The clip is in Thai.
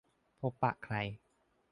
พบปะกับใคร